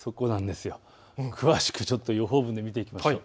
詳しく予報を見ていきましょう。